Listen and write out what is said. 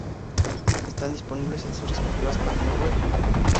Están disponibles en sus respectivas páginas web.